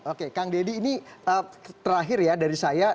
oke kang deddy ini terakhir ya dari saya